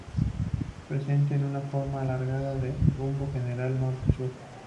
Presenta una forma alargada con rumbo general norte-sur.